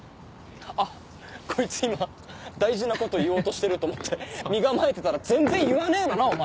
「あっこいつ今大事なこと言おうとしてる」と思って身構えてたら全然言わねえのなお前。